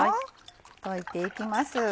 溶いていきます。